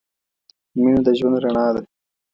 مینه د ژوند رڼا ده.